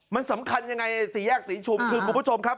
มันสำคัญยังไงสี่แยกศรีชุมคือคุณผู้ชมครับ